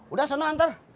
udah sono anter